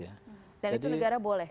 dan itu negara boleh